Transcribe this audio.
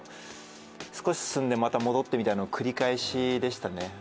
少し進んでまた戻ってというのの繰り返しでしたね。